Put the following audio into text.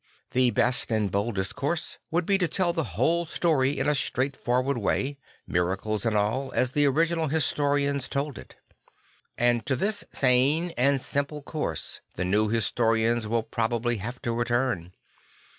The best and boldest course would be to tell the whole story in a straightforward way, miracles and all, as the original historians told it. And to this sane and simple course the new historians will prob ably have to return.